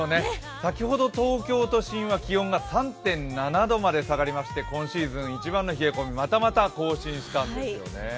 先ほど東京都心は気温が３．７度まで下がりまして今シーズン一番の冷え込み、またまた更新したんですよね。